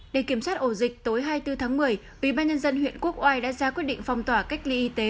để kiểm soát ổ dịch tối hai mươi bốn tháng một mươi ubnd huyện quốc oai đã ra quyết định phong tỏa cách ly y tế